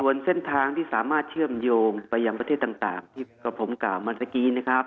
ส่วนเส้นทางที่สามารถเชื่อมโยงไปยังประเทศต่างที่กับผมกล่าวมาเมื่อกี้นะครับ